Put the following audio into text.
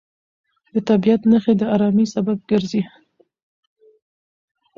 د طبیعت نښې د ارامۍ سبب ګرځي.